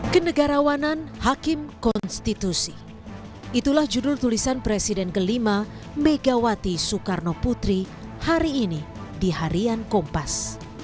kenegarawanan hakim konstitusi itulah judul tulisan presiden kelima megawati soekarno putri hari ini di harian kompas